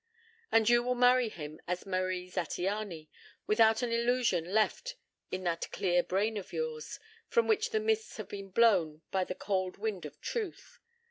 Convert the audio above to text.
And you will marry him as Marie Zattiany, without an illusion left in that clear brain of yours from which the mists have been blown by the cold wind of truth.